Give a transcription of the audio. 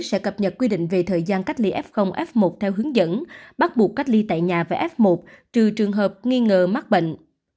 sẽ cập nhật quy định về thời gian cách ly f f một theo hướng dẫn bắt buộc cách ly tại nhà và f một trừ trường hợp nghi ngờ mắc bệnh